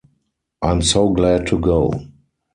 I'm so glad to go!